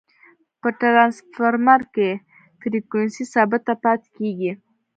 په ټرانسفرمر کی فریکوینسي ثابته پاتي کیږي.